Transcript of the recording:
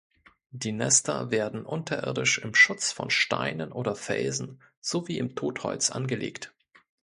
Die Nester werden unterirdisch im Schutz von Steinen oder Felsen sowie in Totholz angelegt.